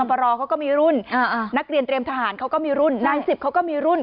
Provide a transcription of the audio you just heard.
บรเขาก็มีรุ่นนักเรียนเตรียมทหารเขาก็มีรุ่นนายสิบเขาก็มีรุ่น